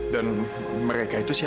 dan mereka itu siapa